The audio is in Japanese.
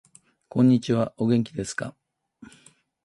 こんにちはお元気ですか